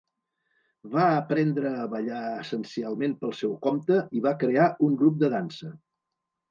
Va aprendre a ballar essencialment pel seu compte i va crear un grup de dansa.